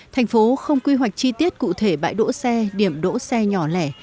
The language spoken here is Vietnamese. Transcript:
thành phố không quy hoạch chi tiết cụ thể bãi đỗ xe điểm đỗ xe nhỏ lẻ